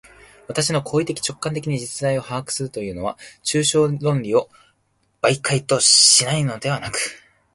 私の行為的直観的に実在を把握するというのは、抽象論理を媒介とせないというのではなく、